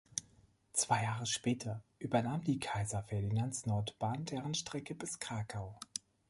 Zwei Jahre später übernahm die Kaiser Ferdinands-Nordbahn deren Strecke bis Krakau.